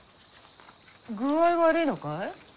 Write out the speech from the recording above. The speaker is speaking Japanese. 具合悪いのかい？